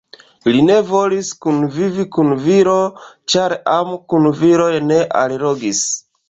Li ne volis kunvivi kun viro, ĉar amo kun viroj ne allogis.